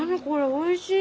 おいしい！